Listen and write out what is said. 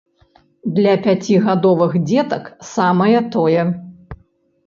Для пяцігадовых дзетак самае тое.